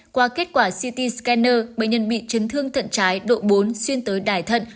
qua kết quả city scanner bệnh nhân bị chấn thương thận trái độ bốn xuyên tới đài thận